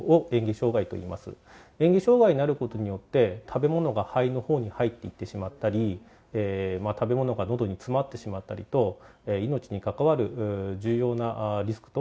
嚥下障がいになることによって食べ物が肺のほうに入っていってしまったり食べ物が喉に詰まってしまったりと命に関わる重要なリスクとなり得ます。